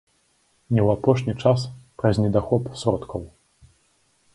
Не ў апошні час праз недахоп сродкаў.